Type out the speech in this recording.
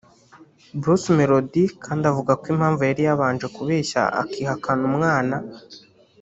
Bruce Melodie kandi avuga ko impamvu yari yarabanje kubeshya akihakana umwana